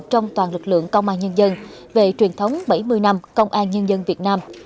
trong toàn lực lượng công an nhân dân về truyền thống bảy mươi năm công an nhân dân việt nam